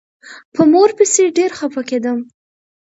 په مور پسې ډېر خپه کېدم.